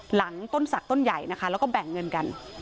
หลังต้นศักดิต้นใหญ่นะคะแล้วก็แบ่งเงินกัน